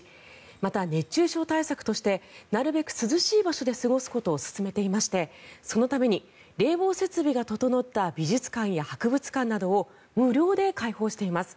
また熱中症対策としてなるべく涼しい場所で過ごすことを勧めていましてそのために冷房設備が整った美術館や博物館などを無料で開放しています。